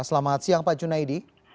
selamat siang pak junaidi